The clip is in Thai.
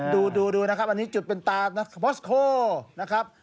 ดูนะครับอันนี้จุดเป็นตาบอสโคนะครับ